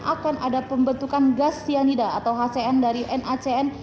akan ada pembentukan gas cyanida atau hcn dari nacn